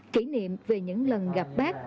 kỷ niệm về những lần gặp bác